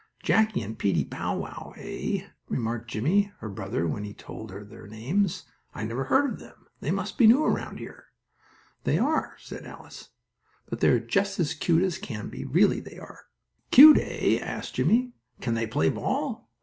"Jackie and Peetie Bow Wow, eh?" remarked Jimmie, her brother, when she had told their names. "I never heard of them. They must be new around here." "They are," answered Alice. "But they are just as cute as they can be; really they are." "Cute, eh?" asked Jimmie. "Can they play ball?"